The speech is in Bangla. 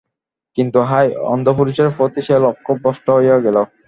কিন্তু হায়, অন্ধ পুরুষের প্রতি সে লক্ষ ভ্রষ্ট হইয়া গেল।